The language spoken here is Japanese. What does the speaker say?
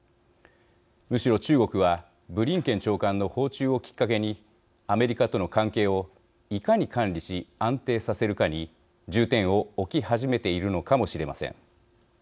むしろ中国は、ブリンケン長官の訪中をきっかけにアメリカとの関係をいかに管理し、安定させるかに重点を置き始めているのかもしれません。